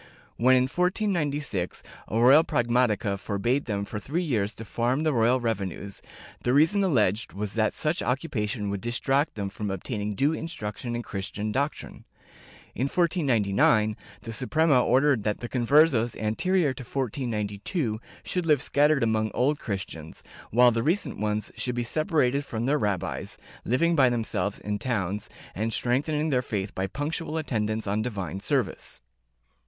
When, in 1496, a royal pragmatica forbade them for three years to farm the royal revenues, the reason alleged was that such occupation would distract them from obtain ing due instruction in Christian doctrine. In 1499, the Suprema ordered that the Conversos anterior to 1492 should live scattered among Old Christians, while the recent ones should be separated from their rabbis, living by themselves in towns and strengthening their faith by punctual attendance on divine service.'